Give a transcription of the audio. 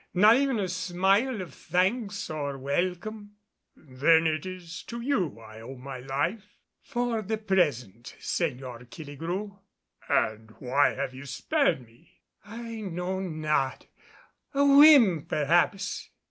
not even a smile of thanks or welcome." "Then it is to you I owe my life?" "For the present, Señor Killigrew." "And why have you spared me?" "I know not. A whim, perhaps."